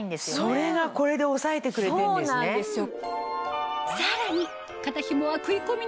それがこれでおさえてくれてんですね。